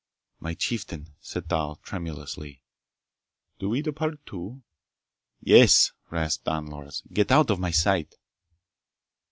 "My chieftain," said Thal tremulously, "do we depart, too?" "Yes!" rasped Don Loris. "Get out of my sight!"